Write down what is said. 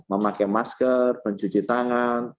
memakai masker mencuci tangan